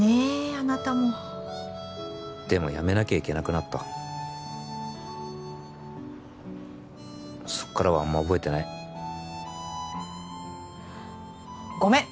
あなたもでも辞めなきゃいけなくなったそっからはあんま覚えてないごめん